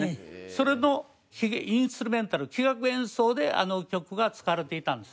それのインストゥルメンタル器楽演奏であの曲が使われていたんですね。